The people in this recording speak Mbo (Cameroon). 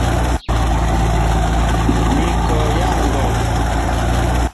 Mi kɔyá ŋgɔn.